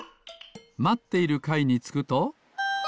まっているかいにつくと。